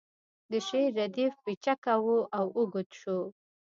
د شعر ردیف پیچکه و او اوږد شو